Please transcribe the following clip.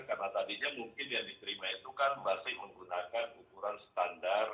karena tadinya mungkin yang diterima itu kan masih menggunakan ukuran standar